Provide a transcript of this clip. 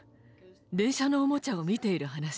電車のおもちゃを見ている話。